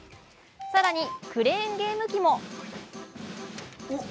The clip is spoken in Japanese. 更にクレーンゲーム機も。